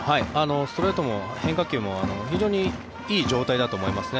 ストレートも変化球も非常にいい状態だと思いますね。